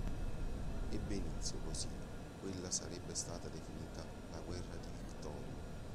Ebbe inizio, così, quella sarebbe stata definita "la guerra di Victorio".